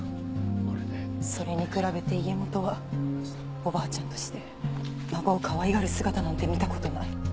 それに比べて家元はおばあちゃんとして孫をかわいがる姿なんて見た事ない。